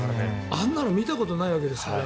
あんなの見たことないわけですから。